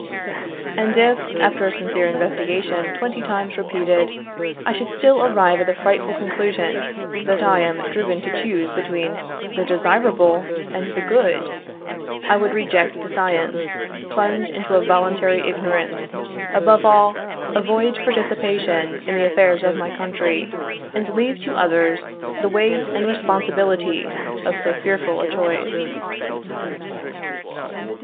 And if, after a sincere investigation twenty times repeated, I should still arrive at the frightful conclusion that I am driven to choose between the Desirable and the Good, I would reject the science, plunge into a voluntary ignorance, above all, avoid participation in the affairs of my country, and leave to others the weight and responsibility of so fearful a choice.